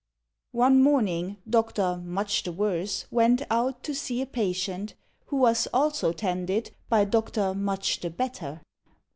One morning Doctor Much the Worse went out To see a patient, who was also tended By Doctor Much the Better.